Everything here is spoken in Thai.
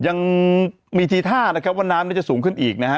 ยังมีทีท่านะครับว่าน้ำนี้จะสูงขึ้นอีกนะฮะ